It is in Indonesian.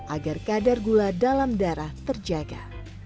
agar kadar gula dalam darah terjaga